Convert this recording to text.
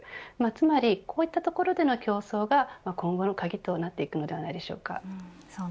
つまりこういったところでの競争が今後の鍵となっていくのではないでしょうか。